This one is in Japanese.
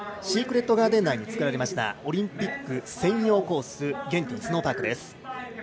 シークレットガーデン内に作られたオリンピック専用コースゲンティンスノーパークです。